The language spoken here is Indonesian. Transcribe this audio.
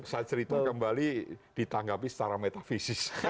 dan saya cerita kembali ditanggapi secara metafisis